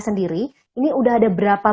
sendiri ini udah ada berapa